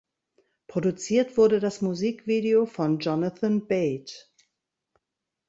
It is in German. Produziert wurde das Musikvideo von Jonathan Bate.